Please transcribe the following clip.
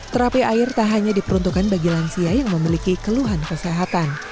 terapi air tak hanya diperuntukkan bagi lansia yang memiliki keluhan kesehatan